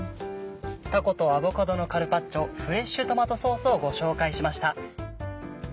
「たことアボカドのカルパッチョフレッシュトマトソース」をご紹介しました。